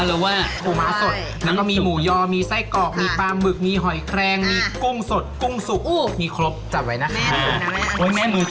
แล้วว่ารมม้าสดมันก็มีหมูยอซ่ายกอกมีปลามึกหอยแครงมีกลุ้งสดกลุ้งสุขคุณพูดถึง